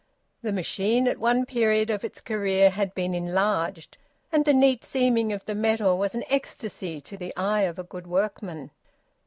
The machine at one period of its career had been enlarged, and the neat seaming of the metal was an ecstasy to the eye of a good workman.